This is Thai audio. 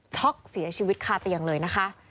เสียชีวิตคาเตียงเลยนะคะ